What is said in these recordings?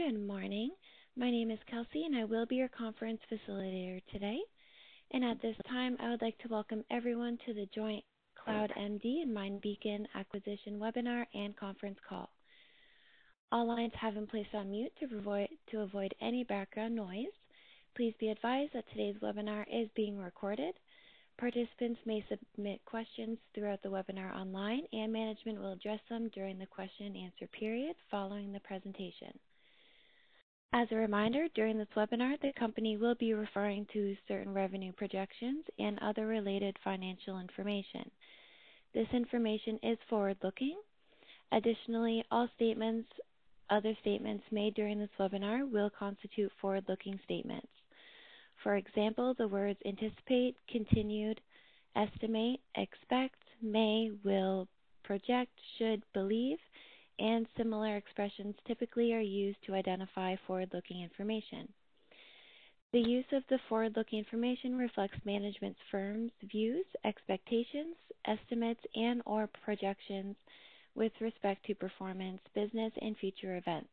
Good morning. My name is Kelsey, and I will be your conference facilitator today. At this time, I would like to welcome everyone to the joint CloudMD and MindBeacon acquisition webinar and conference call. All lines have been placed on mute to avoid any background noise. Please be advised that today's webinar is being recorded. Participants may submit questions throughout the webinar online, and management will address them during the question-and-answer period following the presentation. As a reminder, during this webinar, the company will be referring to certain revenue projections and other related financial information. This information is forward-looking. Additionally, all other statements made during this webinar will constitute forward-looking statements. For example, the words anticipate, continue, estimate, expect, may, will, project, should, believe, and similar expressions typically are used to identify forward-looking information. The use of the forward-looking information reflects management's firm views, expectations, estimates, and/or projections with respect to performance, business, and future events.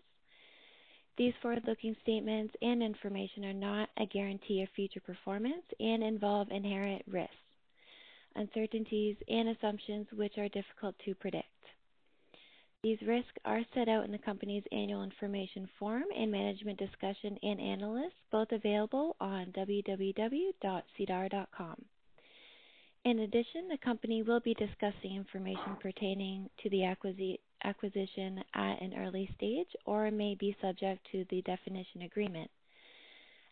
These forward-looking statements and information are not a guarantee of future performance and involve inherent risks, uncertainties, and assumptions which are difficult to predict. These risks are set out in the company's Annual Information Form and Management's Discussion and Analysis, both available on www.sedar.com. In addition, the company will be discussing information pertaining to the acquisition at an early stage, or may be subject to the definitive agreement.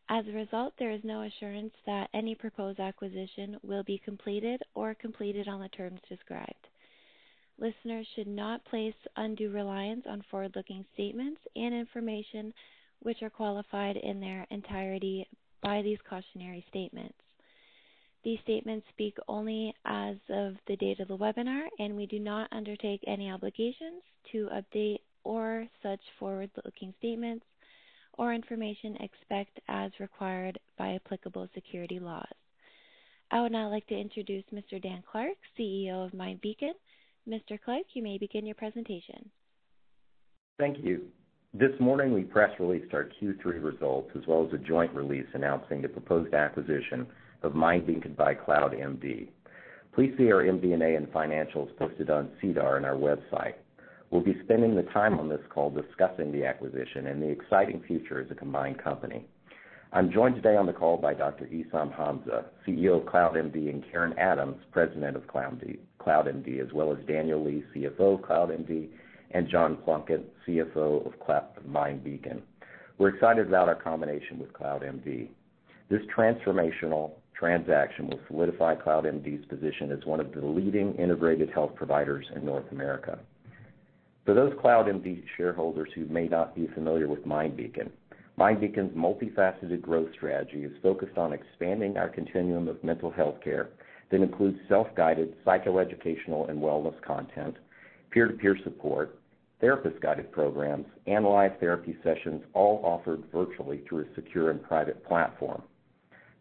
As a result, there is no assurance that any proposed acquisition will be completed on the terms described. Listeners should not place undue reliance on forward-looking statements and information, which are qualified in their entirety by these cautionary statements. These statements speak only as of the date of the webinar, and we do not undertake any obligations to update or revise such forward-looking statements or information except as required by applicable securities laws. I would now like to introduce Mr. Dan Clark, CEO of MindBeacon. Mr. Clark, you may begin your presentation. Thank you. This morning, we press released our Q3 results as well as a joint release announcing the proposed acquisition of MindBeacon by CloudMD. Please see our MD&A and financials posted on SEDAR and our website. We'll be spending the time on this call discussing the acquisition and the exciting future as a combined company. I'm joined today on the call by Dr. Essam Hamza, CEO of CloudMD, and Karen Adams, President of CloudMD, as well as Daniel Lee, CFO of CloudMD, and John Plunkett, CFO of MindBeacon. We're excited about our combination with CloudMD. This transformational transaction will solidify CloudMD's position as one of the leading integrated health providers in North America. For those CloudMD shareholders who may not be familiar, MindBeacon's multifaceted growth strategy is focused on expanding our continuum of mental health care that includes self-guided psychoeducational and wellness content, peer-to-peer support, therapist-guided programs, and live therapy sessions, all offered virtually through a secure and private platform.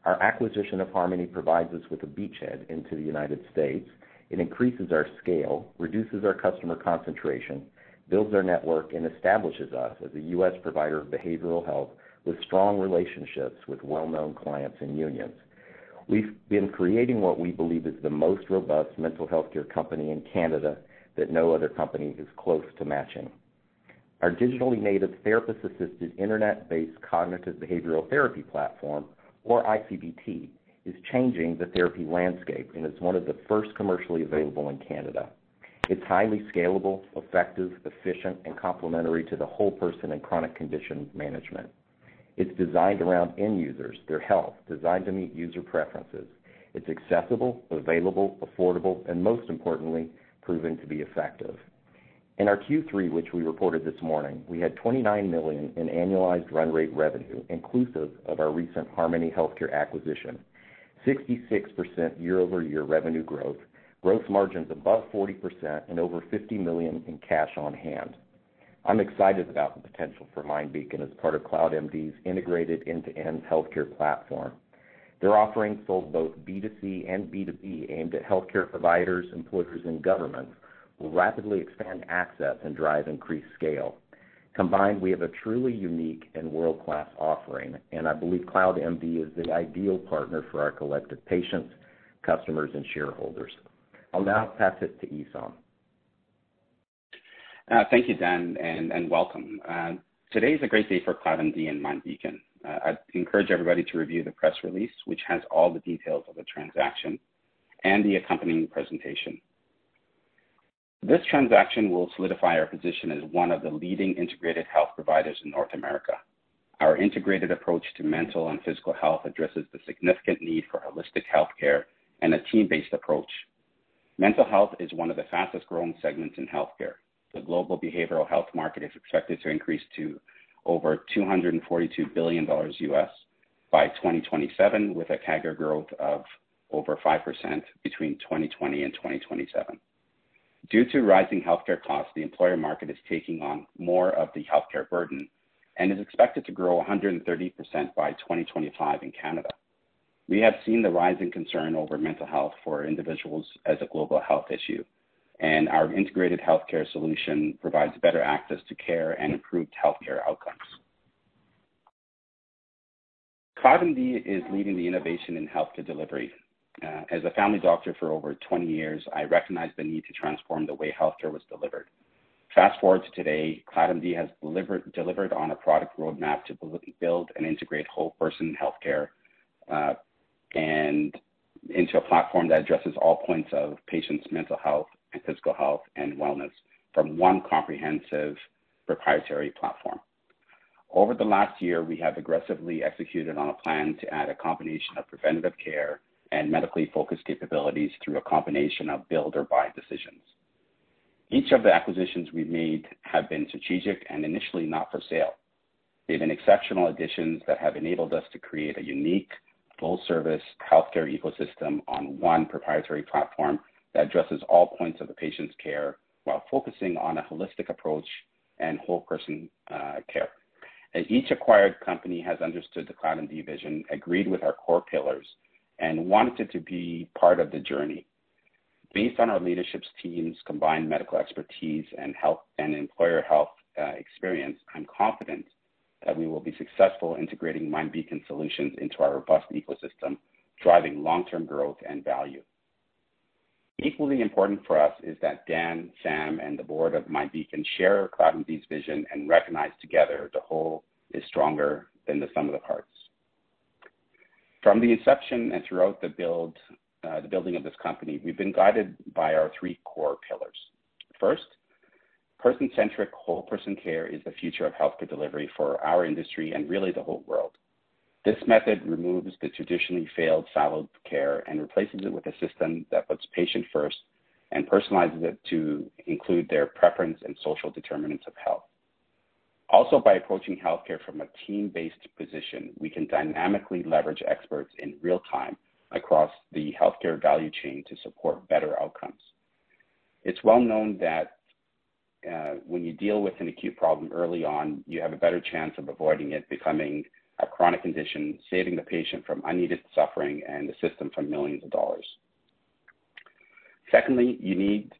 Our acquisition of Harmony provides us with a beachhead in the United States. It increases our scale, reduces our customer concentration, builds our network, and establishes us as a U.S. provider of behavioral health with strong relationships with well-known clients and unions. We've been creating what we believe is the most robust mental healthcare company in Canada that no other company is close to matching. Our digitally native therapist-assisted internet-based cognitive behavioral therapy platform, or iCBT, is changing the therapy landscape and is one of the first commercially available in Canada. It's highly scalable, effective, efficient, and complementary to the whole person in chronic condition management. It's designed around end users, their health, and is designed to meet user preferences. It's accessible, available, affordable, and most importantly, proven to be effective. In our Q3, which we reported this morning, we had 29 million in annualized run rate revenue, inclusive of our recent Harmony Healthcare acquisition, 66% year-over-year revenue growth, margins above 40%, and over 50 million in cash on hand. I'm excited about the potential for MindBeacon as part of CloudMD's integrated end-to-end healthcare platform. Their offerings, which are sold both B2C and B2B, aimed at healthcare providers, employers, and government, will rapidly expand access and drive increased scale. Combined, we have a truly unique and world-class offering, and I believe CloudMD is the ideal partner for our collective patients, customers, and shareholders. I'll now pass it to Essam. Thank you, Dan, and welcome. Today is a great day for CloudMD and MindBeacon. I'd encourage everybody to review the press release, which has all the details of the transaction and the accompanying presentation. This transaction will solidify our position as one of the leading integrated health providers in North America. Our integrated approach to mental and physical health addresses the significant need for holistic healthcare and a team-based approach. Mental health is one of the fastest-growing segments in healthcare. The global behavioral health market is expected to increase to over $242 billion by 2027, with a CAGR growth of over 5% between 2020 and 2027. Due to rising healthcare costs, the employer market is taking on more of the healthcare burden and is expected to grow 130% by 2025 in Canada. We have seen the rising concern over mental health for individuals as a global health issue, and our integrated healthcare solution provides better access to care and improved healthcare outcomes. CloudMD is leading the innovation in healthcare delivery. As a family doctor for over 20 years, I recognized the need to transform the way healthcare was delivered. Fast-forward to today, CloudMD has delivered on a product roadmap to build and integrate whole person healthcare, and into a platform that addresses all points of patients' mental health and physical health and wellness from one comprehensive proprietary platform. Over the last year, we have aggressively executed on a plan to add a combination of preventative care and medically-focused capabilities through a combination of build or buy decisions. Each of the acquisitions we've made has been strategic and initially not for sale. They've been exceptional additions that have enabled us to create a unique full-service healthcare ecosystem on one proprietary platform that addresses all points of the patient's care while focusing on a holistic approach and whole-person care. As each acquired company has understood the CloudMD vision, agreed with our core pillars, and wanted to be part of the journey. Based on our leadership team's, combined medical expertise and health and employer health experience, I'm confident that we will be successful in integrating MindBeacon solutions into our robust ecosystem, driving long-term growth and value. Equally important for us is that Dan, Sam, and the board of MindBeacon share CloudMD's vision and recognize together that the whole is stronger than the sum of the parts. From the inception and throughout the build of this company, we've been guided by our three core pillars. First, person-centric whole person care is the future of healthcare delivery for our industry and really the whole world. This method removes the traditionally failed siloed care and replaces it with a system that puts the patient first and personalizes it to include their preference in social determinants of health. Also, by approaching healthcare from a team-based position, we can dynamically leverage experts in real time across the healthcare value chain to support better outcomes. It's well known that, when you deal with an acute problem early on, you have a better chance of avoiding it becoming a chronic condition, saving the patient from unneeded suffering and the system from millions of CAD. Secondly, you need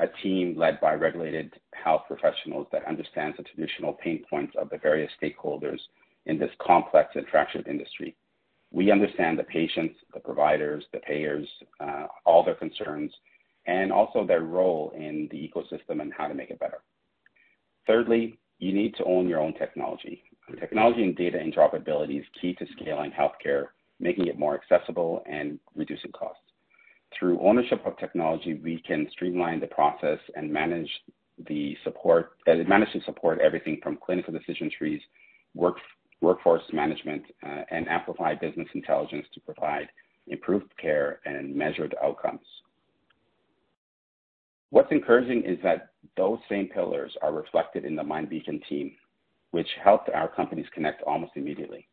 a team led by regulated health professionals that understands the traditional pain points of the various stakeholders in this complex and fractured industry. We understand the patients, the providers, the payers, all their concerns, and also their role in the ecosystem and how to make it better. Thirdly, you need to own your own technology. Technology and data interoperability are key to scaling healthcare, making it more accessible and reducing costs. Through ownership of technology, we can streamline the process and manage and support everything from clinical decision trees, workforce management, and amplify business intelligence to provide improved care and measured outcomes. What's encouraging is that those same pillars are reflected in the MindBeacon team, which helped our companies connect almost immediately.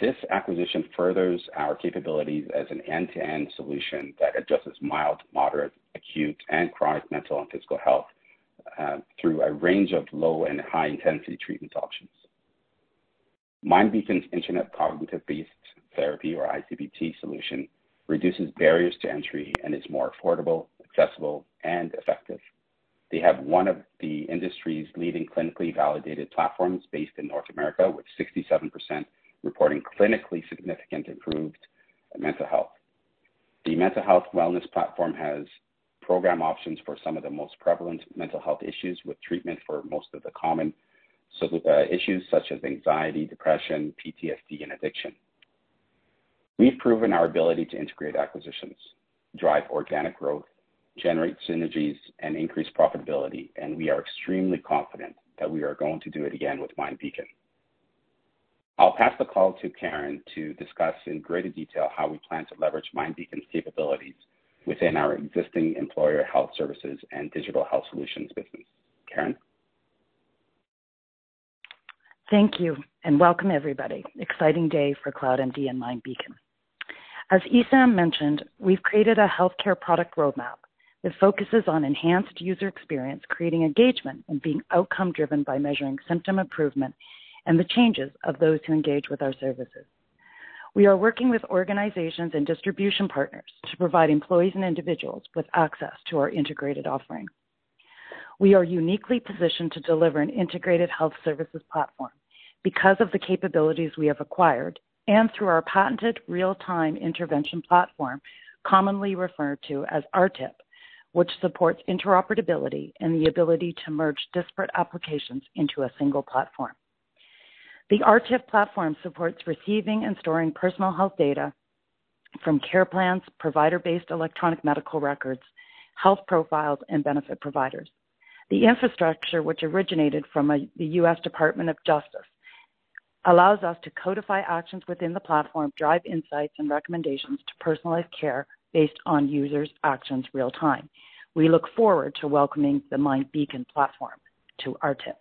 This acquisition furthers our capabilities as an end-to-end solution that addresses mild, moderate, acute, and chronic mental and physical health through a range of low and high-intensity treatment options. MindBeacon's Internet cognitive behavioral therapy or iCBT solution reduces barriers to entry and is more affordable, accessible, and effective. They have one of the industry's leading clinically validated platforms based in North America, with 67% reporting clinically significant improved mental health. The mental health wellness platform has program options for some of the most prevalent mental health issues, with treatment for most of the common issues, such as anxiety, depression, PTSD, and addiction. We've proven our ability to integrate acquisitions, drive organic growth, generate synergies, and increase profitability, and we are extremely confident that we are going to do it again with MindBeacon. I'll pass the call to Karen to discuss in greater detail how we plan to leverage MindBeacon's capabilities within our existing employer health services and digital health solutions business. Karen? Thank you, and welcome everybody. Exciting day for CloudMD and MindBeacon. As Essam mentioned, we've created a healthcare product roadmap that focuses on enhanced user experience, creating engagement, and being outcome-driven by measuring symptom improvement and the changes of those who engage with our services. We are working with organizations and distribution partners to provide employees and individuals with access to our integrated offering. We are uniquely positioned to deliver an integrated health services platform because of the capabilities we have acquired and through our patented real-time intervention platform, commonly referred to as RTIP, which supports interoperability and the ability to merge disparate applications into a single platform. The RTIP platform supports receiving and storing personal health data from care plans, provider-based electronic medical records, health profiles, and benefit providers. The infrastructure, which originated from the U.S. Department of Justice, allows us to codify actions within the platform, drive insights and recommendations to personalize care based on users' actions in real time. We look forward to welcoming the MindBeacon platform to RTIP.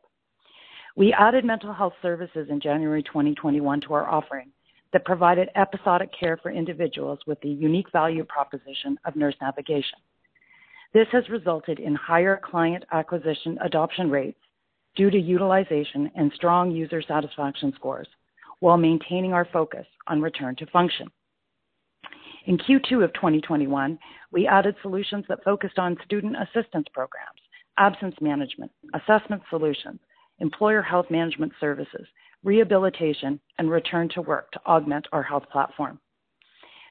We added mental health services in January 2021 to our offering, which provided episodic care for individuals with the unique value proposition of nurse navigation. This has resulted in higher client acquisition adoption rates due to utilization and strong user satisfaction scores while maintaining our focus on return to function. In Q2 of 2021, we added solutions that focused on student assistance programs, absence management, assessment solutions, employer health management services, rehabilitation, and return to work to augment our health platform.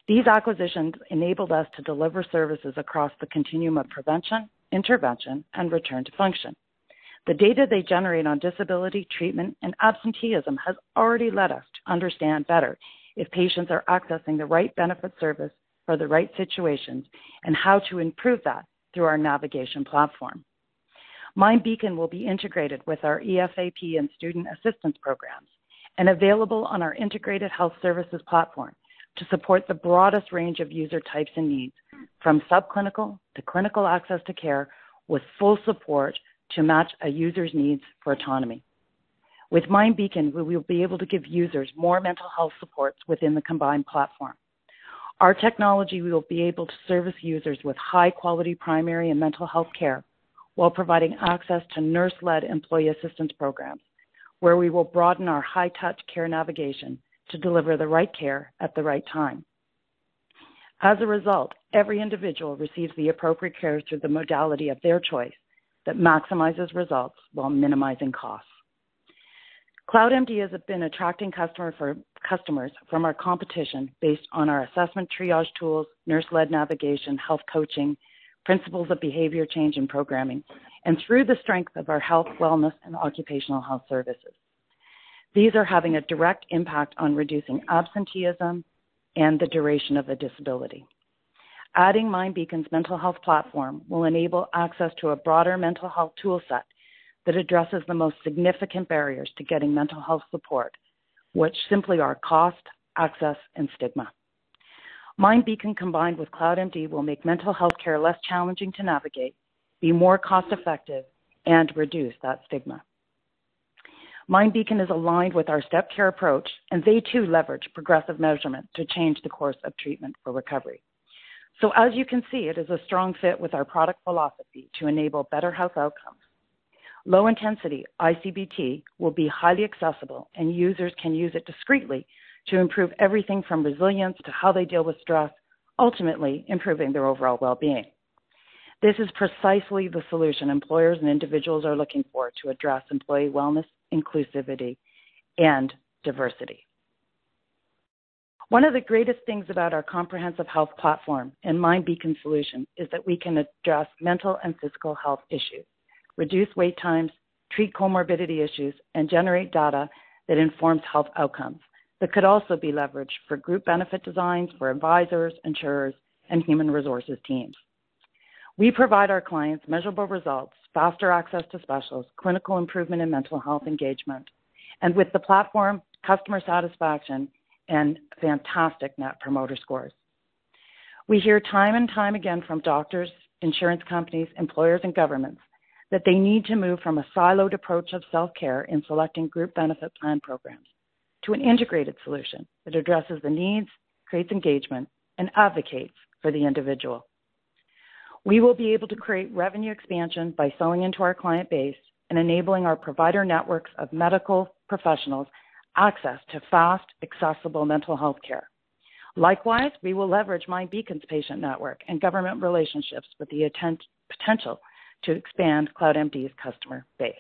These acquisitions enabled us to deliver services across the continuum of prevention, intervention, and return to function. The data they generate on disability treatment and absenteeism has already led us to better understand if patients are accessing the right benefit service for the right situations and how to improve that through our navigation platform. MindBeacon will be integrated with our EFAP and student assistance programs and available on our integrated health services platform to support the broadest range of user types and needs, from subclinical to clinical access to care with full support to match a user's needs for autonomy. With MindBeacon, we will be able to give users more mental health support within the combined platform. Our technology will be able to service users with high-quality primary and mental health care while providing access to nurse-led employee assistance programs, where we will broaden our high-touch care navigation to deliver the right care at the right time. As a result, every individual receives the appropriate care through the modality of their choice that maximizes results while minimizing costs. CloudMD has been attracting customers from our competition based on our assessment triage tools, nurse-led navigation, health coaching, principles of behavior change and programming, and through the strength of our health, wellness, and occupational health services. These have a direct impact on reducing absenteeism and the duration of a disability. Adding MindBeacon's mental health platform will enable access to a broader mental health tool set that addresses the most significant barriers to getting mental health support, which are simply cost, access, and stigma. MindBeacon, combined with CloudMD, will make mental health care less challenging to navigate, be more cost-effective, and reduce the stigma. MindBeacon is aligned with our step care approach, and they, too, leverage progressive measurement to change the course of treatment for recovery. As you can see, it is a strong fit with our product philosophy to enable better health outcomes. Low-intensity iCBT will be highly accessible, and users can use it discreetly to improve everything from resilience to how they deal with stress, ultimately improving their overall well-being. This is precisely the solution employers and individuals are looking for to address employee wellness, inclusivity, and diversity. One of the greatest things about our comprehensive health platform and MindBeacon solution is that we can address mental and physical health issues, reduce wait times, treat comorbidity issues, and generate data that informs health outcomes that could also be leveraged for group benefit designs for advisors, insurers, and human resources teams. We provide our clients measurable results, faster access to specialists, clinical improvement in mental health engagement, and, with the platform, customer satisfaction and fantastic Net Promoter Scores. We hear time and time again from doctors, insurance companies, employers, and governments that they need to move from a siloed approach of self-care in selecting group benefit plan programs to an integrated solution that addresses the needs, creates engagement, and advocates for the individual. We will be able to create revenue expansion by selling into our client base and enabling our provider networks of medical professionals access to fast, accessible mental health care. Likewise, we will leverage MindBeacon's patient network and government relationships with the attendant potential to expand CloudMD's customer base.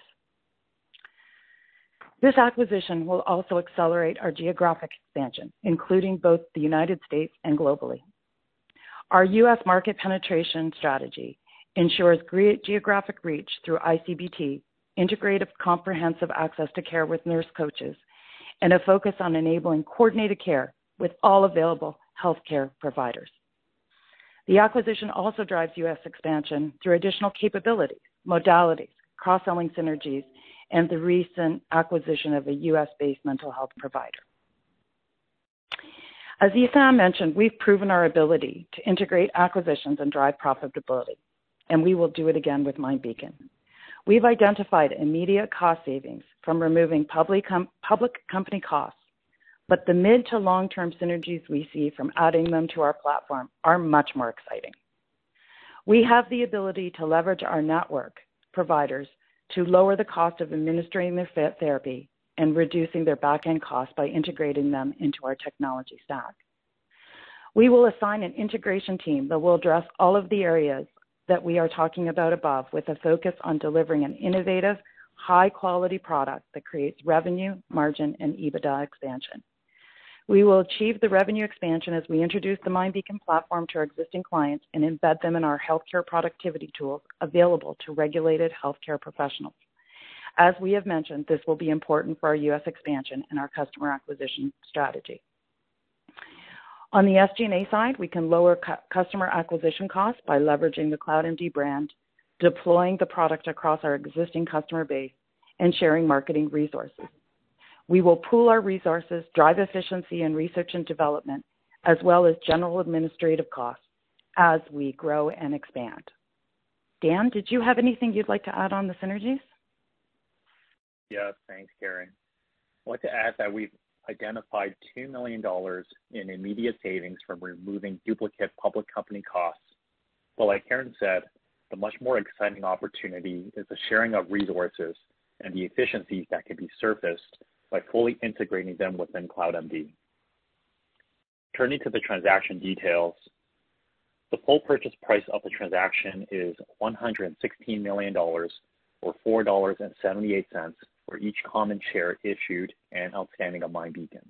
This acquisition will also accelerate our geographic expansion, including both the United States and globally. Our U.S. market penetration strategy ensures great geographic reach through iCBT, integrative comprehensive access to care with nurse coaches, and a focus on enabling coordinated care with all available healthcare providers. The acquisition also drives U.S. expansion through additional capabilities, modalities, cross-selling synergies, and the recent acquisition of a U.S.-based mental health provider. As Essam mentioned, we've proven our ability to integrate acquisitions and drive profitability, and we will do it again with MindBeacon. We've identified immediate cost savings from removing public company costs, but the mid to long-term synergies we see from adding them to our platform are much more exciting. We have the ability to leverage our network providers to lower the cost of administering their therapy and reduce their back-end costs by integrating them into our technology stack. We will assign an integration team that will address all of the areas that we are talking about above, with a focus on delivering an innovative, high-quality product that creates revenue, margin, and EBITDA expansion. We will achieve the revenue expansion as we introduce the MindBeacon platform to our existing clients and embed them in our healthcare productivity tools available to regulated healthcare professionals. As we have mentioned, this will be important for our U.S. expansion and our customer acquisition strategy. On the SG&A side, we can lower customer acquisition costs by leveraging the CloudMD brand, deploying the product across our existing customer base, and sharing marketing resources. We will pool our resources, drive efficiency in research and development, as well as general administrative costs, as we grow and expand. Dan, did you have anything you'd like to add on the synergies? Yes. Thanks, Karen. I'd like to add that we've identified 2 million dollars in immediate savings from removing duplicate public company costs. As Karen said, the much more exciting opportunity is the sharing of resources and the efficiencies that can be surfaced by fully integrating them within CloudMD. Turning to the transaction details. The full purchase price of the transaction is 116 million dollars or 4.78 dollars for each common share issued and outstanding of MindBeacon.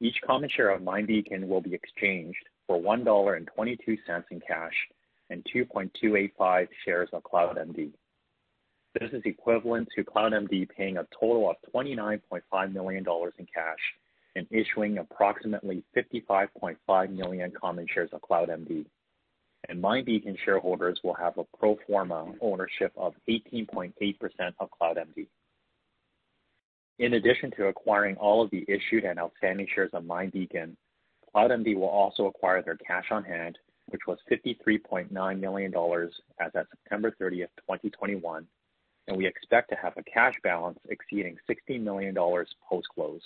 Each common share of MindBeacon will be exchanged for 1.22 dollar in cash and 2.285 shares of CloudMD. This is equivalent to CloudMD paying a total of 29.5 million dollars in cash and issuing approximately 55.5 million common shares of CloudMD. MindBeacon shareholders will have a pro forma ownership of 18.8% of CloudMD. In addition to acquiring all of the issued and outstanding shares of MindBeacon, CloudMD will also acquire its cash on hand, which was 53.9 million dollars as at September 30, 2021, and we expect to have a cash balance exceeding 60 million dollars post-close.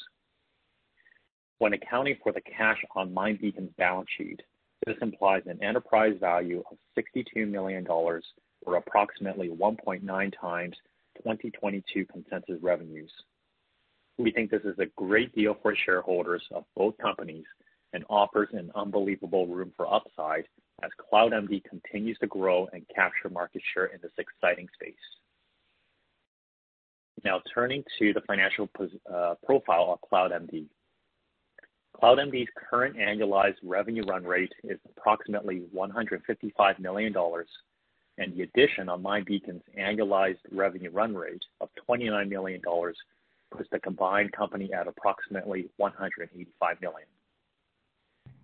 When accounting for the cash on MindBeacon's balance sheet, this implies an enterprise value of 62 million dollars or approximately 1.9x 2022 consensus revenues. We think this is a great deal for shareholders of both companies and offers an unbelievable room for upside as CloudMD continues to grow and capture market share in this exciting space. Now turning to the financial profile of CloudMD. CloudMD's current annualized revenue run rate is approximately 155 million dollars, and the addition of MindBeacon's annualized revenue run rate of 29 million dollars puts the combined company at approximately 185 million.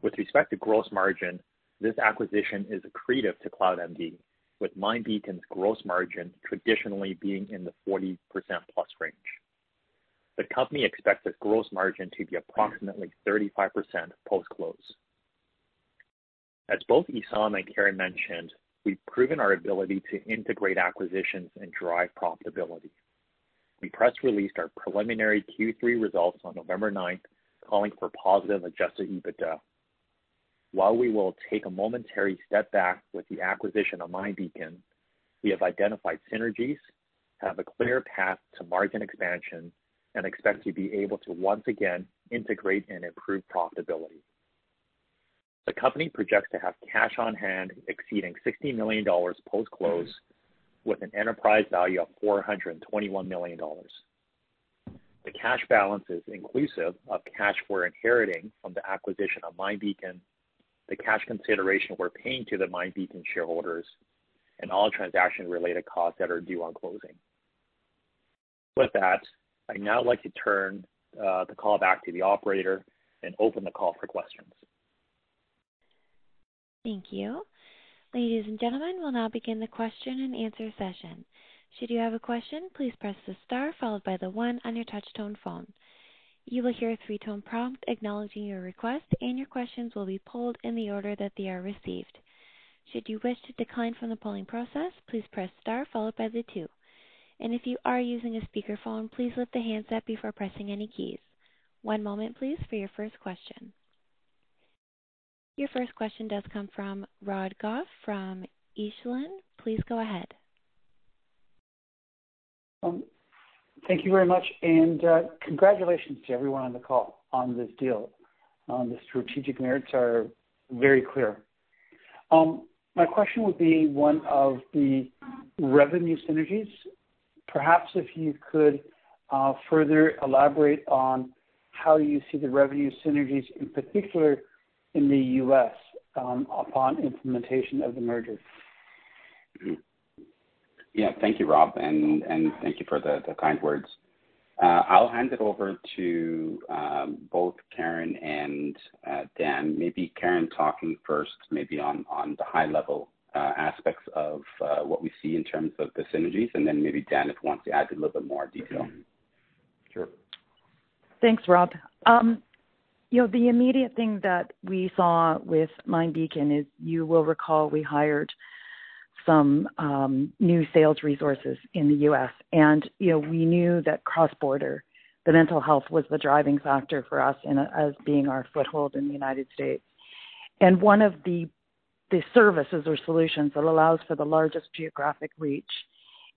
With respect to gross margin, this acquisition is accretive to CloudMD, with MindBeacon's gross margin traditionally being in the 40%+ range. The company expects its gross margin to be approximately 35% post-close. As both Essam and Karen mentioned, we've proven our ability to integrate acquisitions and drive profitability. We press released our preliminary Q3 results on November ninth, calling for positive Adjusted EBITDA. While we will take a momentary step back with the acquisition of MindBeacon, we have identified synergies, have a clear path to margin expansion, and expect to be able to once again integrate and improve profitability. The company projects to have cash on hand exceeding 60 million dollars post-close with an enterprise value of 421 million dollars. The cash balance is inclusive of cash we're inheriting from the acquisition of MindBeacon, the cash consideration we're paying to the MindBeacon shareholders, and all transaction-related costs that are due on closing. With that, I'd now like to turn the call back to the operator and open the call for questions. Thank you. Ladies and gentlemen, we'll now begin the question-and-answer session. Should you have a question, please press the star followed by the one on your touch-tone phone. You will hear a three-tone prompt acknowledging your request, and your questions will be pulled in the order that they are received. Should you wish to decline from the polling process, please press star followed by two. If you are using a speakerphone, please lift the handset before pressing any keys. One moment, please, for your first question. Your first question does come from Rob Goff from Echelon. Please go ahead. Thank you very much, and congratulations to everyone on the call on this deal. The strategic merits are very clear. My question would be one of the revenue synergies. Perhaps if you could further elaborate on how you see the revenue synergies, in particular in the U.S., upon implementation of the merger. Yeah. Thank you, Rob, and thank you for the kind words. I'll hand it over to both Karen and Dan. Maybe Karen talks first, maybe on the high-level aspects of what we see in terms of the synergies, and then maybe Dan, if he wants to add a little bit more detail. Sure. Thanks, Rob. You know, the immediate thing that we saw with MindBeacon is you will recall we hired some new sales resources in the U.S. You know, we knew that cross-border, the mental health was the driving factor for us, and as our foothold in the United States. One of the services or solutions that allows for the largest geographic reach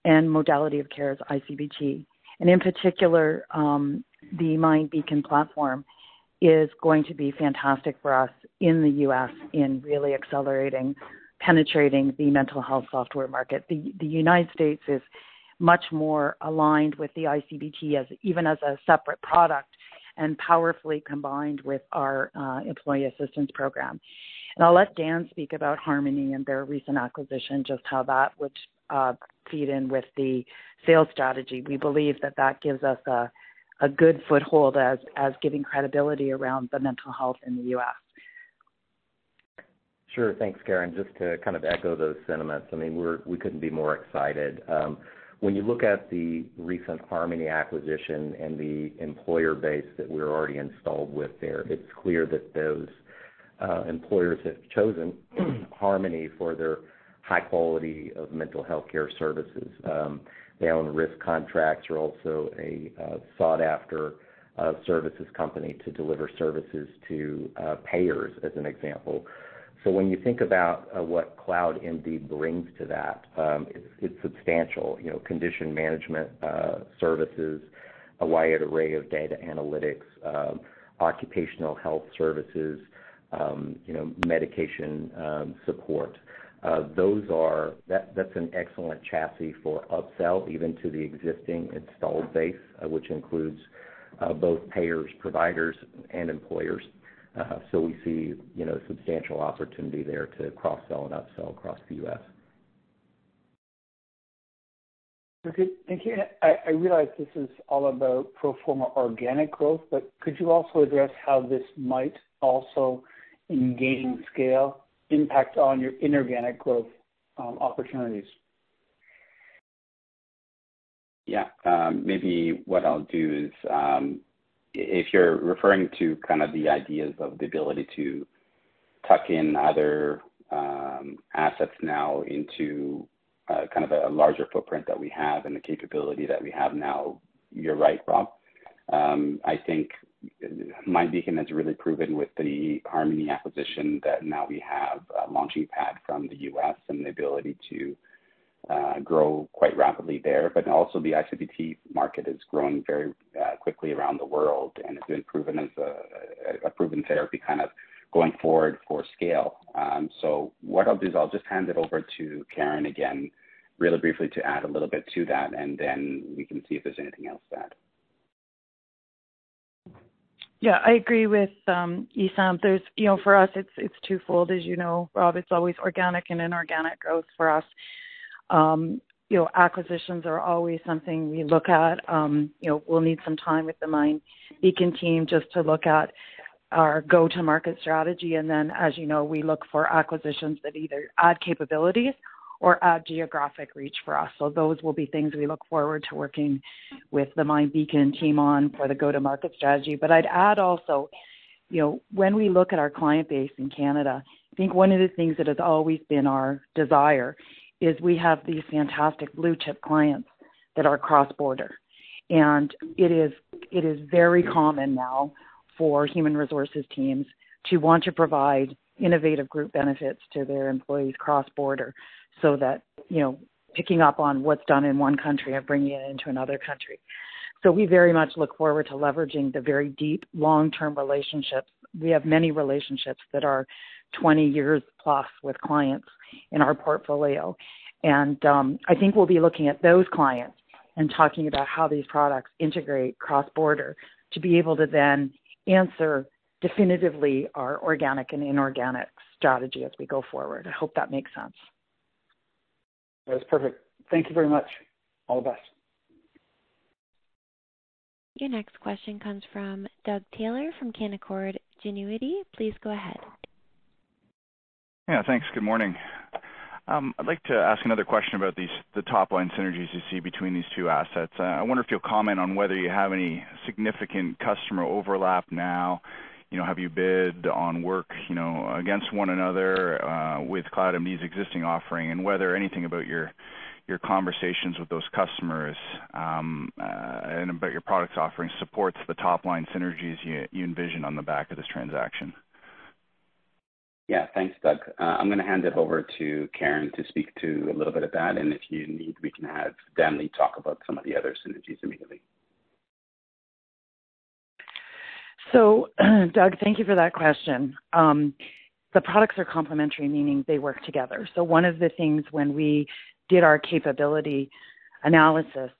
and modality of care is ICBT. In particular, the MindBeacon platform is going to be fantastic for us in the U.S. in really accelerating and penetrating the mental health software market. The United States is much more aligned with the ICBT as a separate product and powerfully combined with our employee assistance program. I'll let Dan speak about Harmony and their recent acquisition, just how that would feed in with the sales strategy. We believe that gives us a good foothold in giving credibility to mental health in the U.S. Sure. Thanks, Karen. Just to kind of echo those sentiments, I mean, we couldn't be more excited. When you look at the recent Harmony acquisition and the employer base that we're already installed with there, it's clear that those employers have chosen Harmony for their high-quality mental health care services. Their own risk contracts are also a sought-after service company to deliver services to payers, for example. When you think about what CloudMD brings to that, it's substantial. You know, condition management services, a wide array of data analytics, occupational health services, you know, medication support. That's an excellent chassis for upsell even to the existing installed base, which includes both payers, providers, and employers. We see, you know, a substantial opportunity there to cross-sell and upsell across the U.S. Okay. Thank you. I realize this is all about pro forma organic growth, but could you also address how this might also impact your inorganic growth opportunities? Yeah. Maybe what I'll do is, if you're referring to the kind of ideas of the ability to tuck in other assets now into kind of a larger footprint that we have and the capability that we have now, you're right, Rob. I think MindBeacon has really proven with the Harmony acquisition that now we have a launching pad from the U.S. and the ability to grow quite rapidly there. But also, the iCBT market is growing very quickly around the world and has been proven as a proven therapy kind of going forward for scale. What I'll do is I'll just hand it over to Karen again, really briefly, to add a little bit to that, and then we can see if there's anything else to add. Yeah, I agree with Essam. You know, for us, it's twofold. As you know, Rob, it's always organic and inorganic growth for us. You know, acquisitions are always something we look at. You know, we'll need some time with the MindBeacon team just to look at our go-to-market strategy. As you know, we look for acquisitions that either add capabilities or add geographic reach for us. Those will be things we look forward to working with the MindBeacon team on for the go-to-market strategy. I'd also add, you know, when we look at our client base in Canada, I think one of the things that has always been our desire is we have these fantastic blue-chip clients that are cross-border. It is very common now for human resources teams to want to provide innovative group benefits to their employees cross-border, so that, you know, picking up on what's done in one country and bringing it into another country. We very much look forward to leveraging the very deep long-term relationships. We have many relationships that are 20 years plus with clients in our portfolio. I think we'll be looking at those clients and talking about how these products integrate cross-border to be able to then answer definitively our organic and inorganic strategy as we go forward. I hope that makes sense. That's perfect. Thank you very much. All the best. Your next question comes from Doug Taylor from Canaccord Genuity. Please go ahead. Yeah, thanks. Good morning. I'd like to ask another question about these: the top-line synergies you see between these two assets. I wonder if you'll comment on whether you have any significant customer overlap now. You know, have you bid on work, you know, against one another, with CloudMD's existing offering? Whether anything about your conversations with those customers and about your product offering supports the top-line synergies you envision on the back of this transaction. Yeah. Thanks, Doug. I'm gonna hand it over to Karen to speak to a little bit of that, and if you need, we can have Daniel Lee talk about some of the other synergies immediately. Doug, thank you for that question. The products are complementary, meaning they work together. One of the things when we did our capability analysis,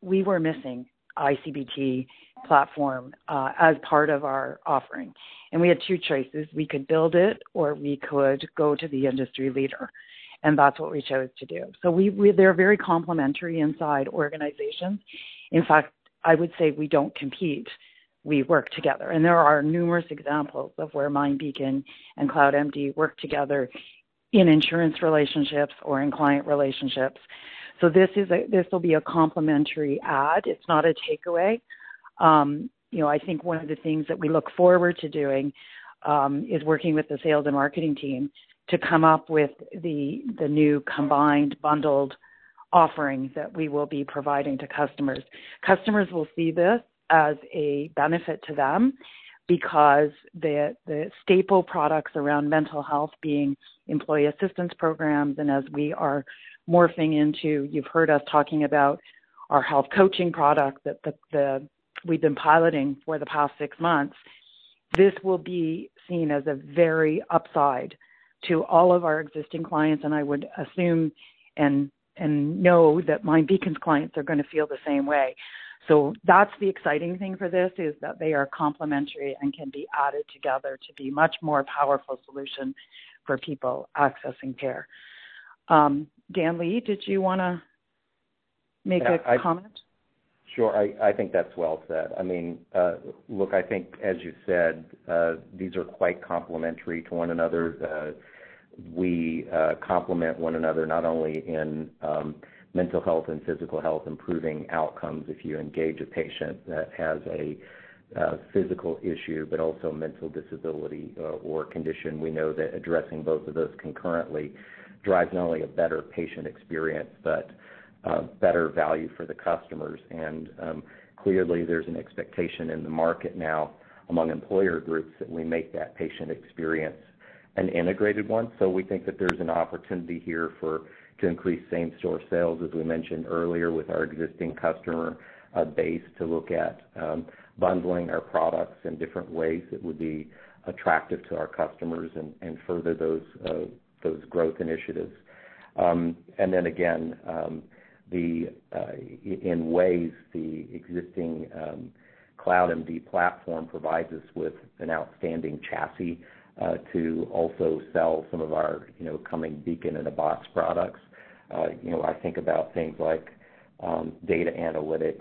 we were missing the iCBT platform as part of our offering. We had two choices. We could build it, or we could go to the industry leader, and that's what we chose to do. They're very complementary inside organizations. In fact, I would say we don't compete. We work together. There are numerous examples of where MindBeacon and CloudMD work together in insurance relationships or in client relationships. This will be a complementary ad. It's not a takeaway. You know, I think one of the things that we look forward to doing is working with the sales and marketing team to come up with the new combined bundled offerings that we will be providing to customers. Customers will see this as a benefit to them because the staple products around mental health are employee assistance programs, and as we are morphing into, you've heard us talking about our health coaching product that we've been piloting for the past six months. This will be seen as a very positive upside to all of our existing clients, and I would assume and know that MindBeacon's clients are gonna feel the same way. That's the exciting thing for this, is that they are complementary and can be added together a much more powerful solution for people accessing care. Dan Lee, did you wanna make a comment? Sure. I think that's well said. I mean, look, I think as you said, these are quite complementary to one another. We complement one another not only in mental health and physical health, improving outcomes if you engage a patient who has a physical issue, but also mental disability or condition. We know that addressing both of those concurrently drives not only a better patient experience, but better value for the customers. Clearly, there's an expectation in the market now among employer groups that we make that patient experience an integrated one. We think that there's an opportunity here to increase same-store sales, as we mentioned earlier, with our existing customer base to look at bundling our products in different ways that would be attractive to our customers and further those growth initiatives. In ways, the existing CloudMD platform provides us with an outstanding chassis to also sell some of our, you know, coming Beacon in a Box products. You know, I think about things like data analytics,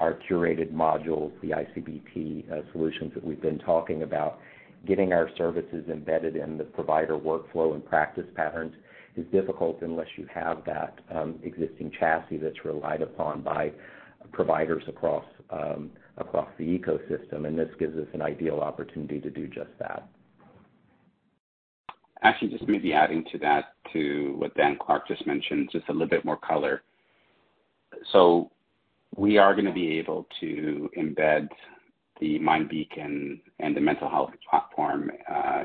our curated modules, the iCBT solutions that we've been talking about. Getting our services embedded in the provider workflow and practice patterns is difficult unless you have that existing chassis that's relied upon by providers across the ecosystem, and this gives us an ideal opportunity to do just that. Actually, just maybe adding to that, to what Dan Clark just mentioned, just a little bit more color. We are gonna be able to embed the MindBeacon and the mental health platform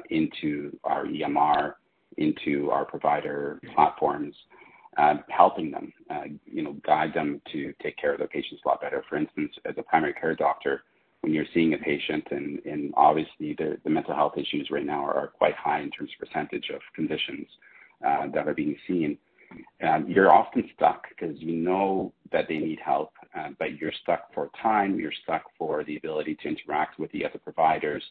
into our EMR, into our provider platforms, helping them, you know, guide them to take care of their patients a lot better. For instance, as a primary care doctor, when you're seeing a patient and obviously, the mental health issues right now are quite high in terms of percentage of conditions that are being seen. You're often stuck 'cause you know that they need help, but you're stuck for time, you're stuck for the ability to interact with the other providers.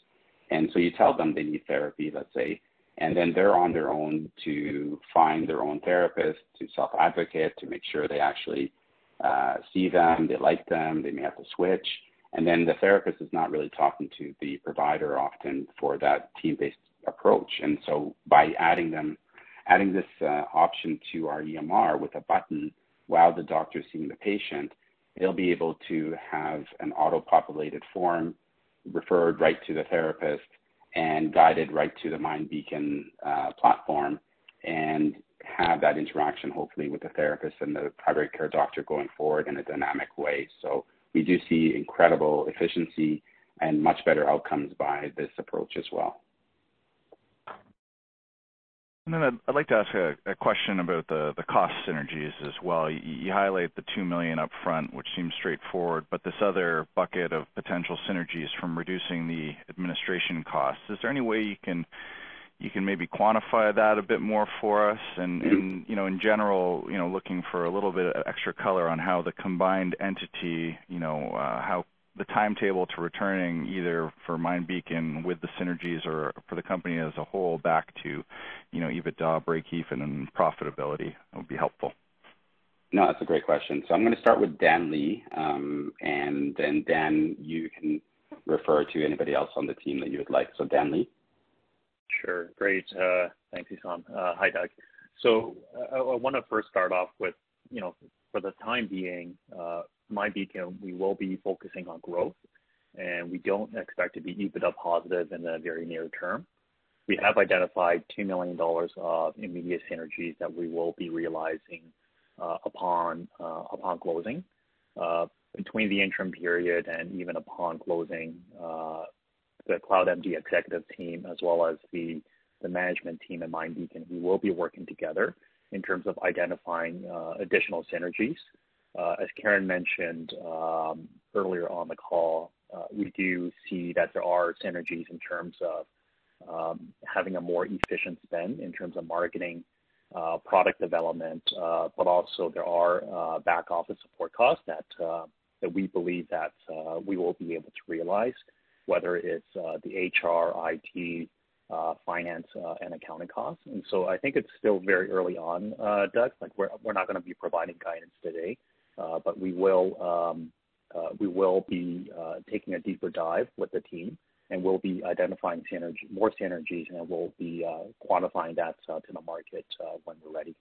You tell them they need therapy, let's say, and then they're on their own to find their own therapist, to self-advocate, to make sure they actually see them, they like them, they may have to switch. The therapist is not really talking to the provider often for that team-based approach. By adding this option to our EMR with a button while the doctor's seeing the patient, they'll be able to have an auto-populated form referred right to the therapist and guided right to the MindBeacon platform and have that interaction, hopefully with the therapist and the primary care doctor going forward in a dynamic way. We do see incredible efficiency and much better outcomes by this approach as well. I'd like to ask a question about the cost synergies as well. You highlight the 2 million upfront, which seems straightforward, but there is another bucket of potential synergies from reducing the administration costs. Is there any way you can maybe quantify that a bit more for us? Mm-hmm. You know, in general, you know, looking for a little bit of extra color on how the combined entity, you know, how the timetable to returning either for MindBeacon with the synergies or for the company as a whole back to, you know, EBITDA, breakeven, and profitability would be helpful. No, that's a great question. I'm gonna start with Daniel Lee, and then Dan, you can refer to anybody else on the team that you would like. Daniel Lee. Sure. Great. Thanks, Essam. Hi, Doug. I wanna first start off with, you know, for the time being, MindBeacon, we will be focusing on growth, and we don't expect to be EBITDA positive in the very near term. We have identified 2 million dollars of immediate synergies that we will be realizing upon closing. Between the interim period and even upon closing, the CloudMD executive team, as well as the management team at MindBeacon, we will be working together in terms of identifying additional synergies. As Karen mentioned earlier on the call, we do see that there are synergies in terms of having a more efficient spend in terms of marketing, product development, but also there are back office support costs that we believe we will be able to realize, whether it's the HR, IT, finance, and accounting costs. I think it's still very early on, Doug, like we're not gonna be providing guidance today. But we will be taking a deeper dive with the team, and we'll be identifying more synergies, and we'll be quantifying that to the market when we're ready.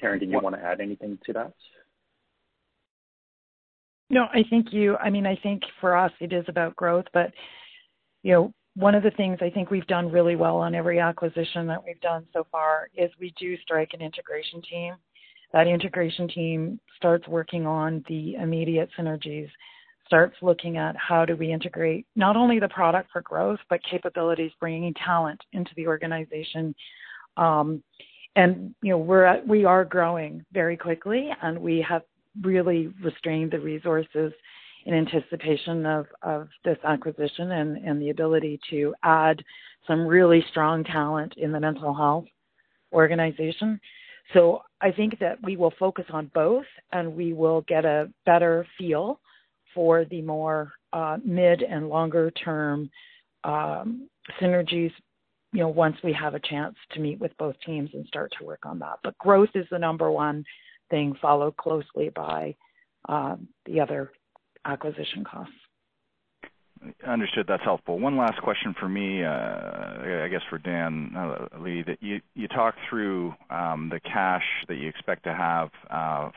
Karen, did you wanna add anything to that? No, I think—I mean, I think for us it is about growth, but you know, one of the things I think we've done really well on every acquisition that we've done so far is we do strike an integration team. That integration team starts working on the immediate synergies, starts looking at how to integrate not only the product for growth, but also capabilities, bringing talent into the organization. You know, we are growing very quickly, and we have really restrained the resources in anticipation of this acquisition and the ability to add some really strong talent in the mental health organization. I think that we will focus on both, and we will get a better feel for the more, mid, and longer term synergies, you know, once we have a chance to meet with both teams and start to work on that. But growth is the number one thing, followed closely by the other acquisition costs. Understood. That's helpful. One last question for me, I guess for Dan Lee, is that you talked through the cash that you expect to have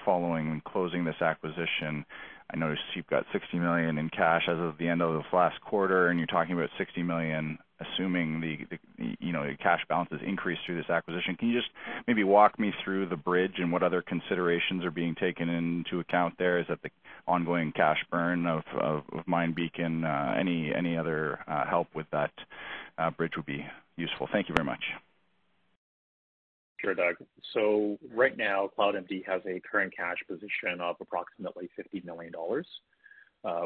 following the closing of this acquisition. I noticed you've got 60 million in cash as of the end of this last quarter, and you're talking about 60 million, assuming you know, the cash balances increase through this acquisition. Can you just maybe walk me through the bridge and what other considerations are being taken into account there? Is that the ongoing cash burn of MindBeacon? Any other help with that bridge would be useful. Thank you very much. Sure, Doug. Right now, CloudMD has a current cash position of approximately 50 million dollars.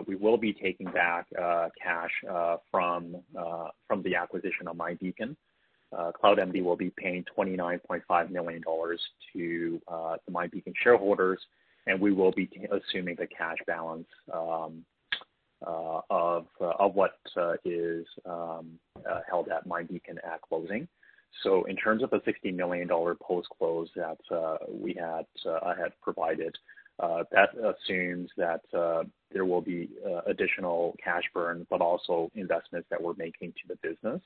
We will be taking back cash from the acquisition of MindBeacon. CloudMD will be paying 29.5 million dollars to the MindBeacon shareholders, and we will be assuming the cash balance of what is held at MindBeacon at closing. In terms of the 60 million dollar post-close that I had provided, that assumes that there will be additional cash burn, but also investments that we're making to the business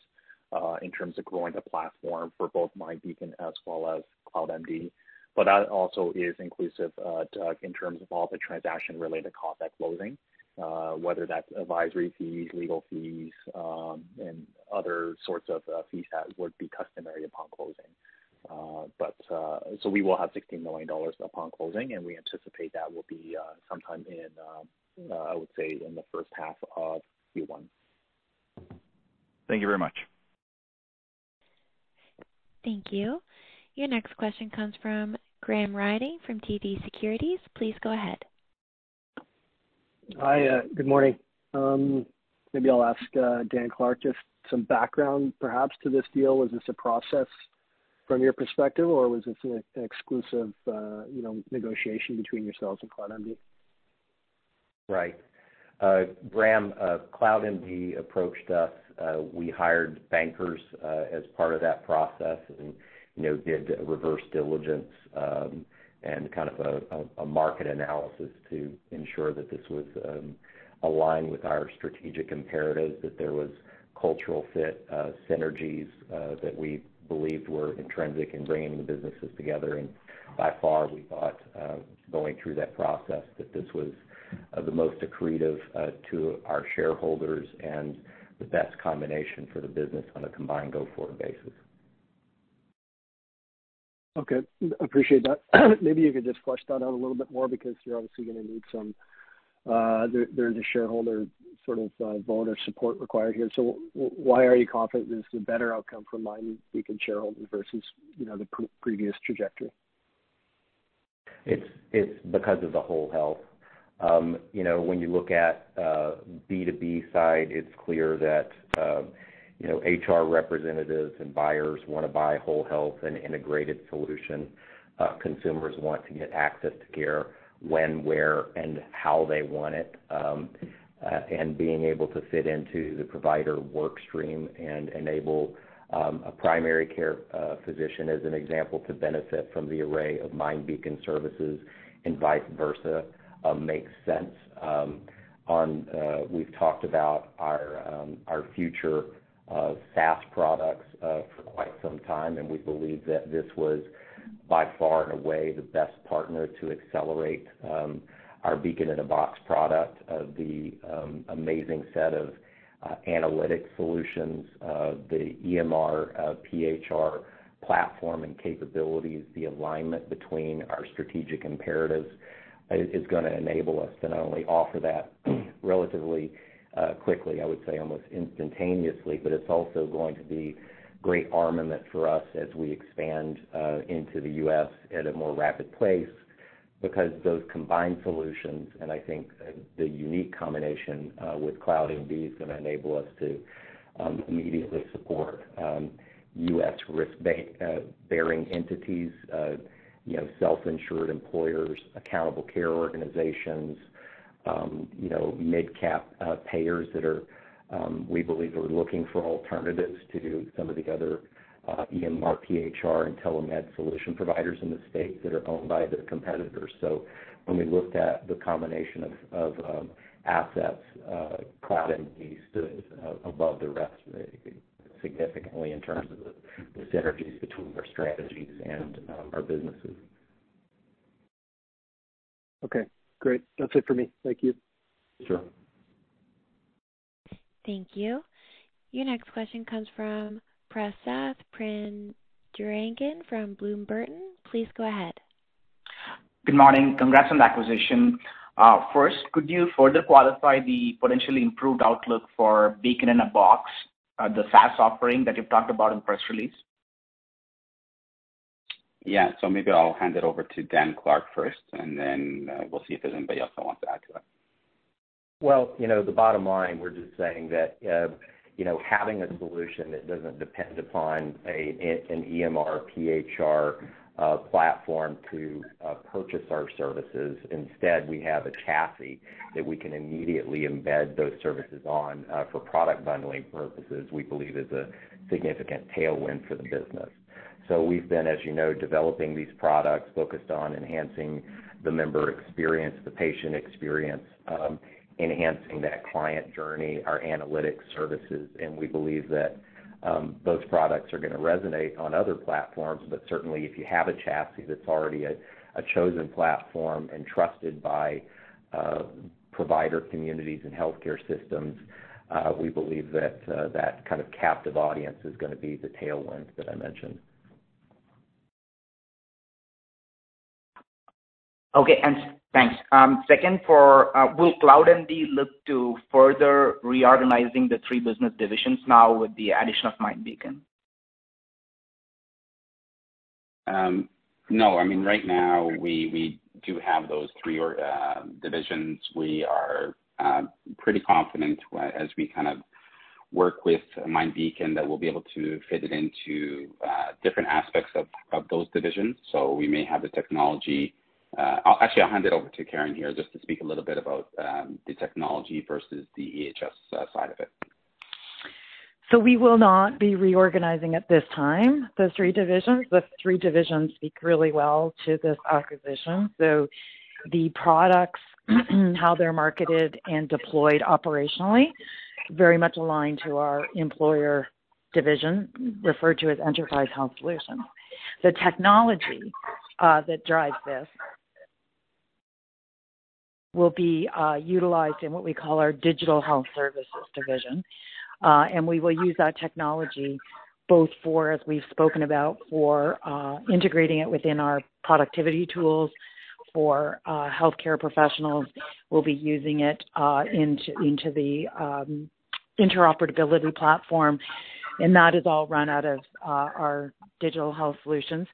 in terms of growing the platform for both MindBeacon and CloudMD. That also is inclusive, Doug, in terms of all the transaction-related costs at closing, whether that's advisory fees, legal fees, and other sorts of fees that would be customary upon closing. We will have 60 million dollars upon closing, and we anticipate that will be sometime in, I would say, in the first half of Q1. Thank you very much. Thank you. Your next question comes from Graham Gunning from TD Securities. Please go ahead. Hi. Good morning. Maybe I'll ask Dan Clark for some background on this deal. Was this a process from your perspective, or was this an exclusive, you know, negotiation between yourselves and CloudMD? Right. Graham, CloudMD approached us. We hired bankers as part of that process and, you know, did reverse diligence and kind of a market analysis to ensure that this was aligned with our strategic imperatives, that there was cultural fit, synergies that we believed were intrinsic in bringing the businesses together. By far, we thought going through that process, that this was the most accretive to our shareholders and the best combination for the business on a combined go-forward basis. Okay. Appreciate that. Maybe you could just flesh that out a little bit more because you're obviously gonna need some. There's a shareholder sort of voter support required here. Why are you confident this is a better outcome for MindBeacon shareholders versus, you know, the previous trajectory? It's because of the whole health. You know, when you look at the B2B side, it's clear that you know, HR representatives and buyers wanna buy whole health and integrated solution. Consumers want to get access to care when, where, and how they want it. Being able to fit into the provider work stream and enable a primary care physician, as an example, to benefit from the array of MindBeacon services and vice versa makes sense. We've talked about our future SaaS products for quite some time, and we believe that this was by far and away the best partner to accelerate our Beacon in a Box product. The amazing set of analytics solutions, the EMR, PHR platform and capabilities, the alignment between our strategic imperatives is gonna enable us to not only offer that relatively quickly, I would say almost instantaneously, but it's also going to be great armament for us as we expand into the U.S. at a more rapid pace because those combined solutions and I think the unique combination with CloudMD is gonna enable us to immediately support U.S. risk-bearing entities, you know, self-insured employers, accountable care organizations, you know, midcap payers that we believe are looking for alternatives to some of the other EMR, PHR and telemedicine solution providers in the space that are owned by the competitors. When we looked at the combination of assets, CloudMD stood above the rest significantly in terms of the synergies between our strategies and our businesses. Okay, great. That's it for me. Thank you. Sure. Thank you. Your next question comes from Prasath Pandurangan from Bloom Burton. Please go ahead. Good morning. Congrats on the acquisition. First, could you further qualify the potentially improved outlook for Beacon in a Box, the SaaS offering that you've talked about in the press release? Yeah. Maybe I'll hand it over to Dan Clark first, and then we'll see if there's anybody else who wants to add to that. Well, you know, the bottom line, we're just saying that, you know, having a solution that doesn't depend upon an EMR, PHR platform to purchase our services. Instead, we have a chassis that we can immediately embed those services on for product bundling purposes, which we believe is a significant tailwind for the business. We've been, as you know, developing these products, focused on enhancing the member experience, the patient experience, enhancing that client journey, and our analytics services. We believe that those products are gonna resonate on other platforms. Certainly, if you have a chassis that's already a chosen platform and trusted by provider communities and healthcare systems, we believe that that kind of captive audience is gonna be the tailwind that I mentioned. Second, will CloudMD look to further reorganize the three business divisions now with the addition of MindBeacon? No. I mean, right now we do have those three, or divisions. We are pretty confident, as we kind of work with MindBeacon, that we'll be able to fit it into different aspects of those divisions. So we may have the technology. Actually, I'll hand it over to Karen here just to speak a little bit about the technology versus the EHS side of it. We will not be reorganizing those three divisions at this time. The three divisions speak really well to this acquisition. The products, how they're marketed and deployed operationally, very much align with our employer division, referred to as Enterprise Health Solutions. The technology that drives this will be utilized in what we call our Digital Health Solutions division. We will use that technology both for, as we've spoken about, for integrating it within our productivity tools for healthcare professionals. We'll be using it in the interoperability platform, and that is all run out of our Digital Health Solutions.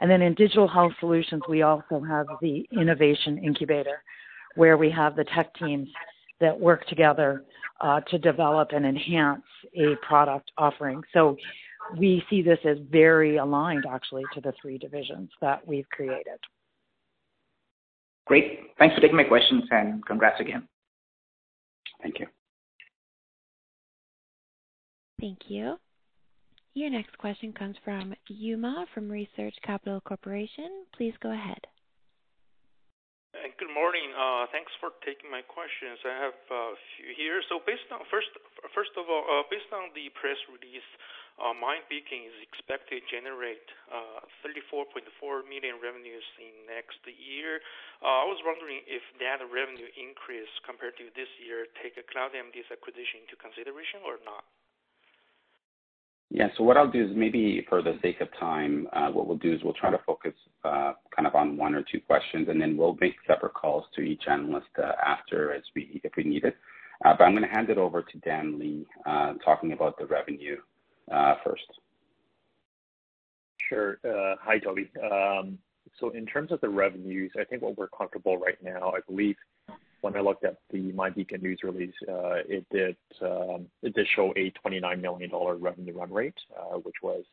Then, in Digital Health Solutions, we also have the innovation incubator, where we have the tech teams that work together to develop and enhance a product offering. We see this as very aligned, actually, to the three divisions that we've created. Great. Thanks for taking my questions, and congrats again. Thank you. Thank you. Your next question comes from Yue Ma from Research Capital Corporation. Please go ahead. Good morning. Thanks for taking my questions. I have a few here. First of all, based on the press release, MindBeacon is expected to generate 34.4 million in revenue next year. I was wondering if that revenue increase compared to this year take CloudMD's acquisition into consideration or not. Yeah. What I'll do is maybe for the sake of time, what we'll do is we'll try to focus kind of on one or two questions, and then we'll make separate calls to each analyst after if we need it. I'm gonna hand it over to Daniel Lee, talking about the revenue first. Sure. Hi, Toby. In terms of the revenues, I think what we're comfortable with right now, I believe when I looked at the MindBeacon news release, it did show a 29 million dollar revenue run rate, which was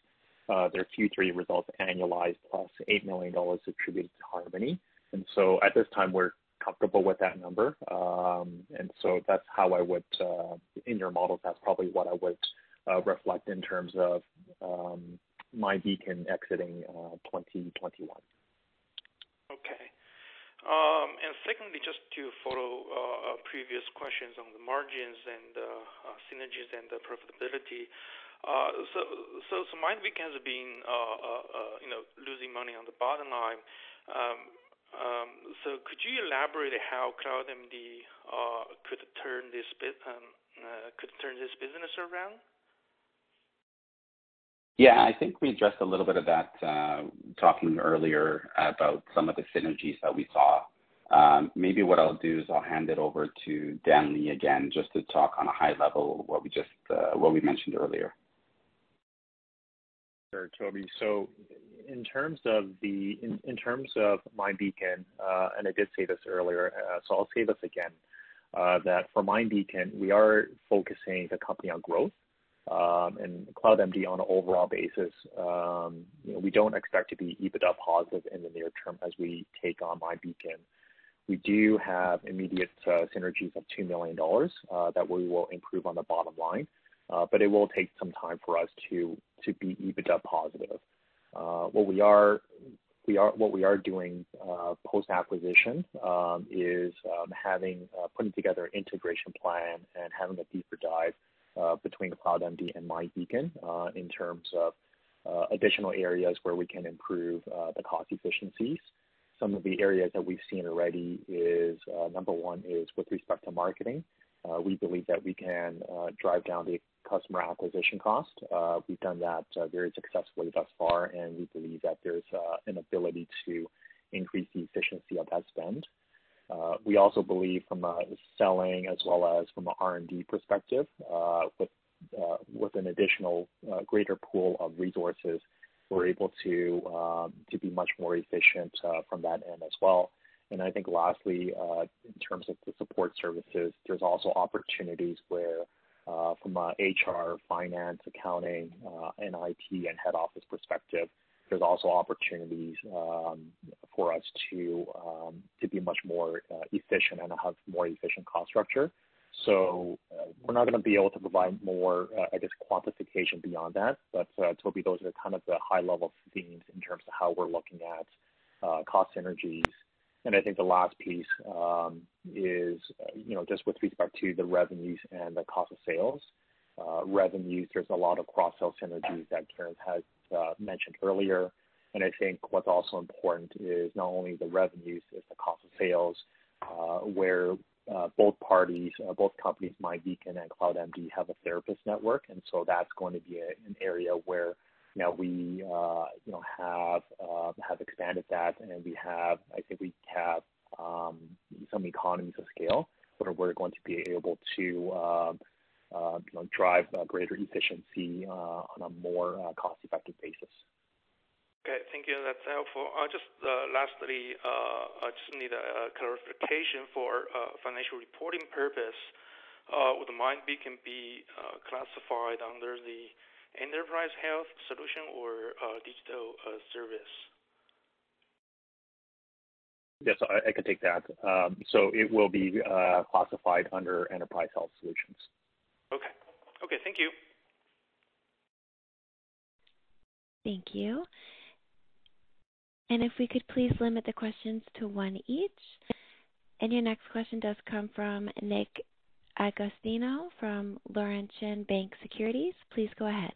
their Q3 results annualized plus 8 million dollars attributed to Harmony. At this time, we're comfortable with that number. That's how I would in your model, that's probably what I would reflect in terms of MindBeacon exiting 2021. Okay. Secondly, just to follow previous questions on the margins and synergies and the profitability. MindBeacon has been, you know, losing money on the bottom line. Could you elaborate on how CloudMD could turn this business around? Yeah. I think we addressed a little bit of that, talking earlier about some of the synergies that we saw. Maybe what I'll do is I'll hand it over to Daniel Lee again just to talk on a high-level about what we mentioned earlier. Sure, Toby. In terms of MindBeacon, and I did say this earlier, so I'll say this again, that for MindBeacon, we are focusing the company on growth, and CloudMD on an overall basis. You know, we don't expect to be EBITDA positive in the near term as we take on MindBeacon. We do have immediate synergies of 2 million dollars that we will improve on the bottom line, but it will take some time for us to be EBITDA positive. What we are doing post-acquisition is putting together an integration plan and having a deeper dive between CloudMD and MindBeacon in terms of additional areas where we can improve the cost efficiencies. Some of the areas that we've seen already are number one with respect to marketing. We believe that we can drive down the customer acquisition cost. We've done that very successfully thus far, and we believe that there's an ability to increase the efficiency of that spend. We also believe from a selling as well as from an R&D perspective, with an additional greater pool of resources, we're able to be much more efficient from that end as well. I think lastly, in terms of the support services, there's also opportunities where, from an HR, finance, accounting, and IT and head office perspective, there's also opportunities for us to be much more efficient and have a more efficient cost structure. We're not gonna be able to provide more, I guess, quantification beyond that. Toby, those are kind of the high-level themes in terms of how we're looking at cost synergies. I think the last piece is, you know, just with respect to the revenues and the cost of sales. Revenues, there's a lot of cross-sell synergies that Karen has mentioned earlier. I think what's also important is not only the revenues, but also the cost of sales, where both parties, both companies, MindBeacon and CloudMD, have a therapist network. That's going to be an area where, you know, we you know, have expanded that, and I think we have some economies of scale where we're going to be able to, you know, drive greater efficiency on a more cost-effective basis. Okay. Thank you. That's helpful. Just lastly, I just need clarification for financial reporting purposes. Would MindBeacon be classified under the Enterprise Health Solutions or Digital Health Services? Yes, I can take that. It will be classified under Enterprise Health Solutions. Okay. Okay, thank you. Thank you. If we could please limit the questions to one each. Your next question does come from Nick Agostino from Laurentian Bank Securities. Please go ahead.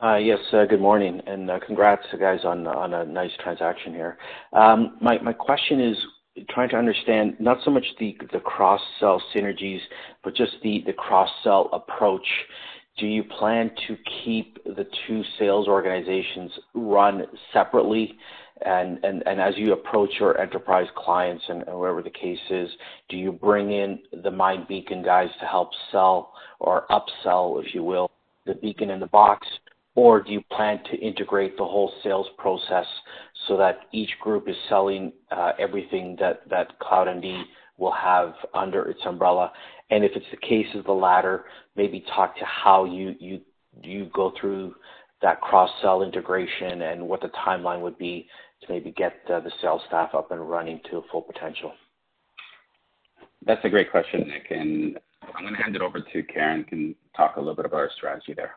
Hi. Yes, good morning, and congrats to you guys on a nice transaction here. My question is trying to understand not so much the cross-sell synergies, but just the cross-sell approach. Do you plan to keep the two sales organizations running separately? As you approach your enterprise clients and wherever the case may be, do you bring in the MindBeacon guys to help sell or upsell, if you will, the Beacon in a Box? Or do you plan to integrate the whole sales process so that each group is selling everything that CloudMD will have under its umbrella? If it's the case of the latter, maybe talk about how you go through that cross-sell integration and what the timeline would be to maybe get the sales staff up and running to full potential. That's a great question, Nick, and I'm gonna hand it over to Karen to talk a little bit about our strategy there.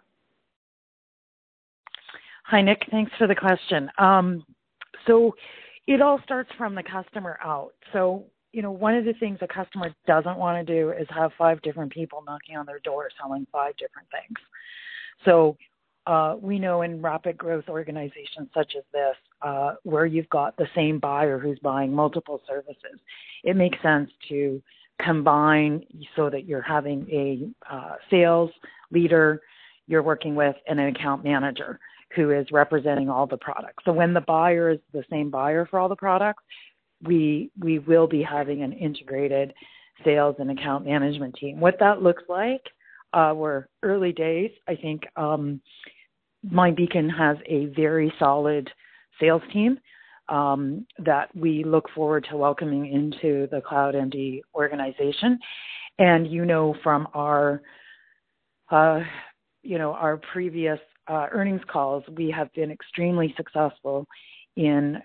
Hi, Nick. Thanks for the question. It all starts with the customer. You know, one of the things a customer doesn't wanna do is have five different people knocking on their door selling five different things. We know in rapid growth organizations such as this, where you've got the same buyer who's buying multiple services, it makes sense to combine so that you're having a sales leader you're working with and an account manager who is representing all the products. When the buyer is the same buyer for all the products, we will have an integrated sales and account management team. What that looks like, we're in the early days. I think MindBeacon has a very solid sales team that we look forward to welcoming into the CloudMD organization. You know from our, you know, our previous earnings calls, we have been extremely successful in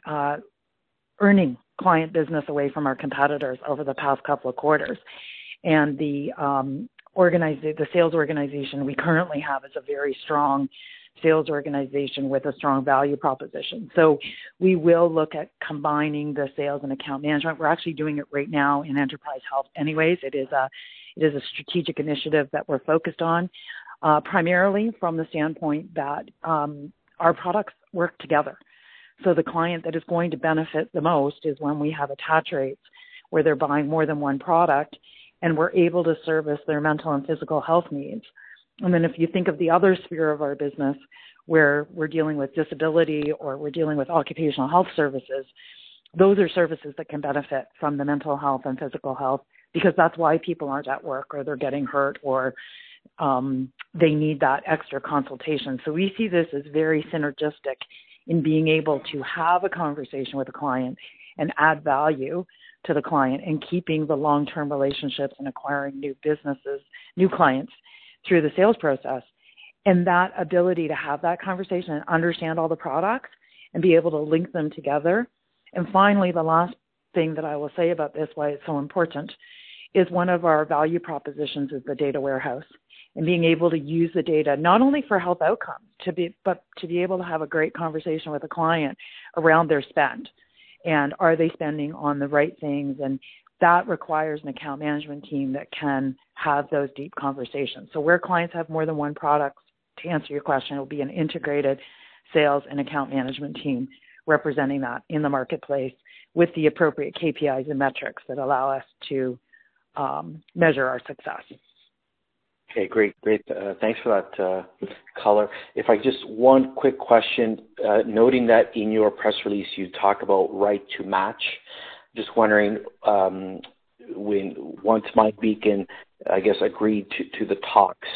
earning client business away from our competitors over the past couple of quarters. The sales organization we currently have is a very strong sales organization with a strong value proposition. We will look at combining the sales and account management. We're actually doing it right now in Enterprise Health, anyway. It is a strategic initiative that we're focused on, primarily from the standpoint that our products work together. The client that is going to benefit the most is when we have attach rates, where they're buying more than one product, and we're able to service their mental and physical health needs. If you think of the other sphere of our business, where we're dealing with disability, or we're dealing with occupational health services, those are services that can benefit from the mental health and physical health, because that's why people aren't at work, or they're getting hurt, or they need that extra consultation. We see this as very synergistic in being able to have a conversation with a client and add value to the client, keeping the long-term relationships, and acquiring new businesses and new clients through the sales process. That ability to have that conversation and understand all the products and be able to link them together. Finally, the last thing that I will say about this, why it's so important, is one of our value propositions, the data warehouse, and being able to use the data not only for health outcomes, but to be able to have a great conversation with a client around their spend and whether they are spending on the right things. That requires an account management team that can have those deep conversations. Where clients have more than one product, to answer your question, it will be an integrated sales and account management team representing that in the marketplace with the appropriate KPIs and metrics that allow us to measure our success. Okay, great. Thanks for that color. One quick question, noting that in your press release, you talk about the right to match. Just wondering, once MindBeacon agreed to the talks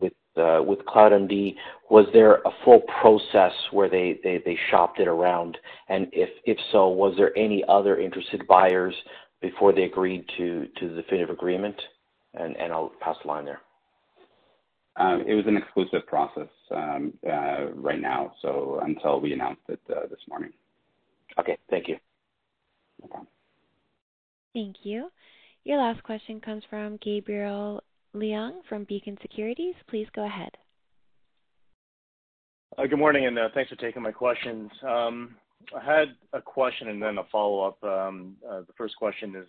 with CloudMD, was there a full process where they shopped it around? If so, was there any other interested buyers before they agreed to the letter of intent? I'll pass the line there. It was an exclusive process right now, so until we announced it this morning. Okay, thank you. No problem. Thank you. Your last question comes from Gabriel Leung from Beacon Securities. Please go ahead. Good morning, and thanks for taking my questions. I had a question and then a follow-up. The first question is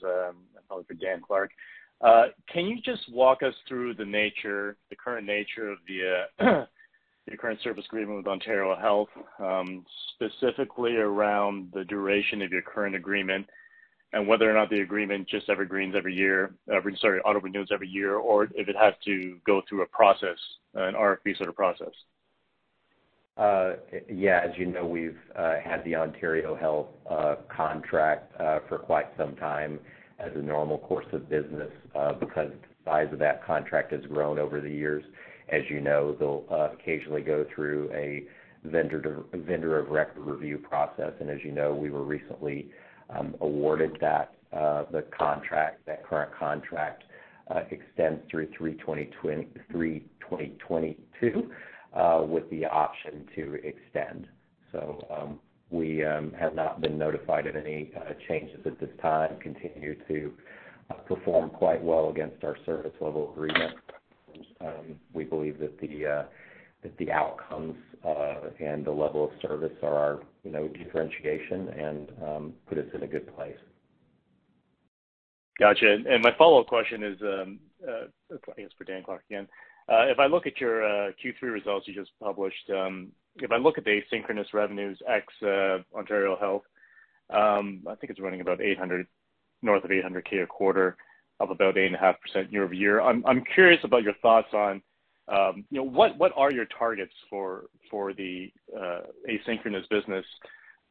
probably for Dan Clark. Can you just walk us through the nature, the current nature of the current service agreement with Ontario Health, specifically around the duration of your current agreement and whether or not the agreement just evergreens every year, auto-renews every year, or if it has to go through a process, an RFP sort of process. Yeah. As you know, we've had the Ontario Health contract for quite some time as a normal course of business. Because the size of that contract has grown over the years. As you know, they'll occasionally go through a vendor of record review process. As you know, we were recently awarded that contract. That current contract extends through 2022, with the option to extend. We have not been notified of any changes at this time. Continue to perform quite well against our service level agreement. We believe that the outcomes and the level of service are our differentiation and put us in a good place. Gotcha. My follow-up question is, I guess, for Dan Clark again. If I look at your Q3 results you just published, if I look at the asynchronous revenues ex Ontario Health, I think it's running north of 800, 000 a quarter, of about 8.5% year-over-year. I'm curious about your thoughts on, you know, what are your targets for the asynchronous business?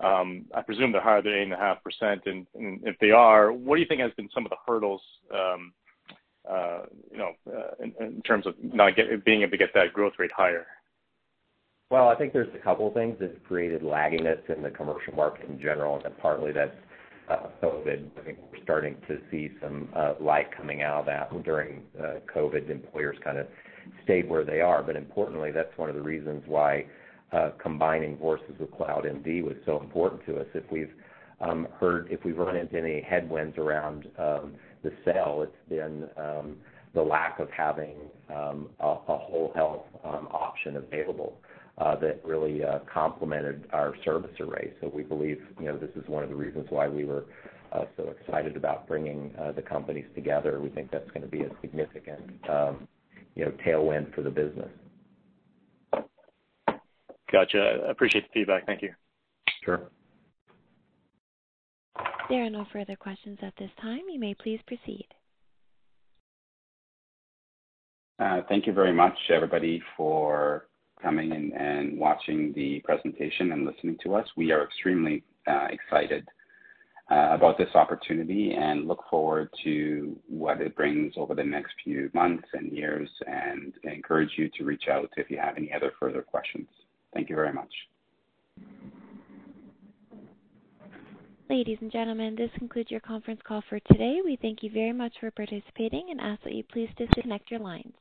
I presume they're higher than 8.5%. If they are, what do you think have been some of the hurdles, you know, in terms of not being able to get that growth rate higher? Well, I think there are a couple of things that have created lagginess in the commercial market in general, and partly that's COVID. I think we're starting to see some light coming out of that. During COVID, employers kind of stayed where they were. Importantly, that's one of the reasons why combining forces with CloudMD was so important to us. If we've run into any headwinds around the sale, it's been the lack of having a whole health option available that really complemented our service array. We believe, you know, this is one of the reasons why we were so excited about bringing the companies together. We think that's gonna be a significant, you know, tailwind for the business. Gotcha. I appreciate the feedback. Thank you. Sure. There are no further questions at this time. You may please proceed. Thank you very much, everybody, for coming and watching the presentation and listening to us. We are extremely excited about this opportunity and look forward to what it brings over the next few months and years, and I encourage you to reach out if you have any further questions. Thank you very much. Ladies and gentlemen, this concludes your conference call for today. We thank you very much for participating and ask that you please disconnect your lines.